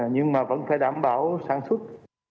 nhưng mà vẫn phải đảm bảo sản xuất